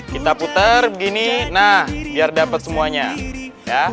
kita putar begini nah biar dapat semuanya ya